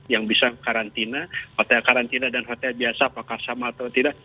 yang bisa karantina hotel karantina dan hotel biasa apakah sama atau tidak